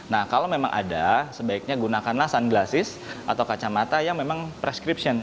nah kalau memang ada sebaiknya gunakanlah sun glassis atau kacamata yang memang prescription